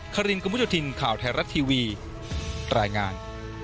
คารินกุมุโยธินข่าวไทยรัฐทีวีรายงาน